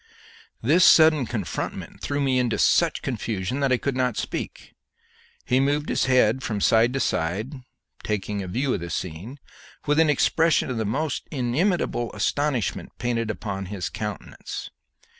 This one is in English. This sudden confrontment threw me into such confusion that I could not speak. He moved his head from side to side, taking a view of the scene, with an expression of the most inimitable astonishment painted upon his countenance.